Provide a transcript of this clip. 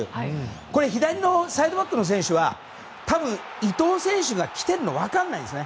これ、左のサイドバックの選手は多分伊東選手が来てるの分からないんですね。